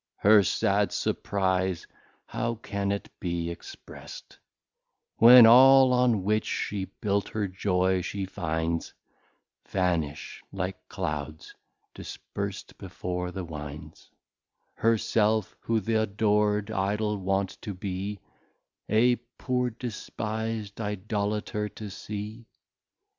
Her sad Surprize how can it be exprest, When all on which she built her Joy she finds, Vanish, like Clouds, disperst before the Winds; Her self, who th'adored Idol wont to be, A poor despis'd Idolater to see?